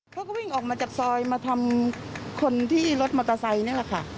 เขาก็วิ่งออกมาจากซอยมาทำคนที่รถมอเตอร์ไซค์นี่แหละค่ะ